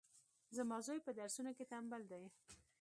زما زوی پهدرسونو کي ټمبل دی